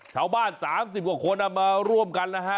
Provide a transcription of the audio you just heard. ชาวบ้าน๓๐กว่าคนมาร่วมกันนะฮะ